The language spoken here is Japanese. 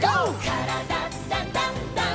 「からだダンダンダン」せの！